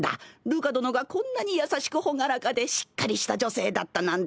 るか殿がこんなに優しく朗らかでしっかりした女性だったなんて。